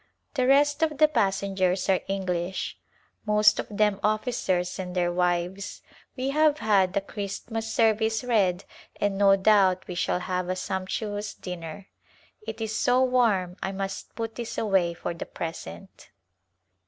The rest of the passengers are English, most of them officers and their wives. We have had the Christmas service read and no doubt we shall have a sumptuous dinner. It is so warm I must put this away for the present.